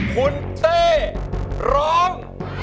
คุณเต้ร้อง